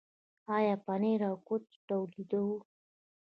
آیا پنیر او کوچ تولیدوو؟